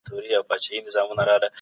زړه ماتول اسانه دي جوړول ګران.